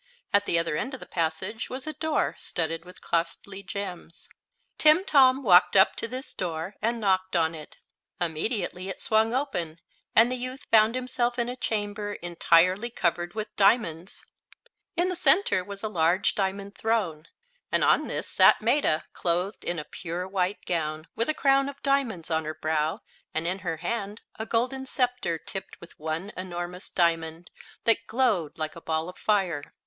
At the other end of the passage was a door studded with costly gems. Timtom walked up to this door and knocked on it. Immediately it swung open, and the youth found himself in a chamber entirely covered with diamonds. In the center was a large diamond throne, and on this sat Maetta, clothed in a pure white gown, with a crown of diamonds on her brow and in her hand a golden scepter tipped with one enormous diamond that glowed like a ball of fire.